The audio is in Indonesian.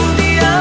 makasih ya kang